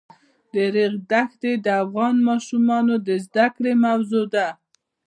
د ریګ دښتې د افغان ماشومانو د زده کړې موضوع ده.